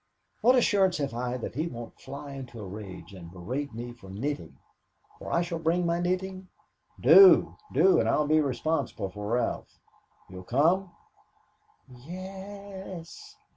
What assurance can I have that he won't fly into a rage and berate me for knitting for I shall bring my knitting?" "Do do and I'll be responsible for Ralph. You'll come?" "Ye e es."